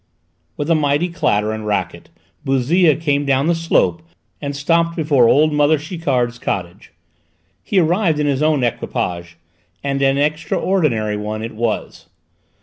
With a mighty clatter and racket Bouzille came down the slope and stopped before old mother Chiquard's cottage. He arrived in his own equipage, and an extraordinary one it was!